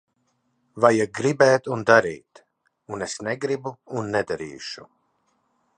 Vajag gribēt un darīt. Un es negribu un nedarīšu.